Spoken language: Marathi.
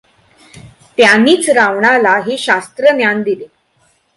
त्यानीच रावणाला हे शास्त्र ज्ञान दिले.